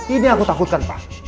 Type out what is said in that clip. ini aku takutkan pak